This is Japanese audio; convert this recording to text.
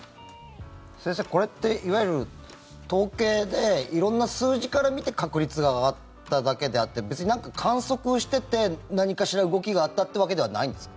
先生、これっていわゆる統計で色んな数字から見て確率が上がっただけであって別に何か観測をしてて何かしら動きがあったってわけではないんですか？